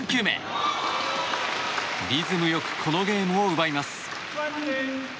リズム良くこのゲームを奪います。